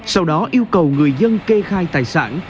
sau đó yêu cầu người dân kê khai tài sản